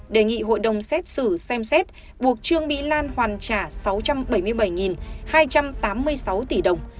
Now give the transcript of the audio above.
đề nghị hội đồng xét xử xem xét buộc trương mỹ lan hoàn trả sáu trăm bảy mươi bảy hai trăm tám mươi sáu tỷ đồng